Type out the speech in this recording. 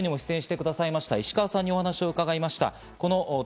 ＶＴＲにも出演してくださいました石川さんにお話を伺いました。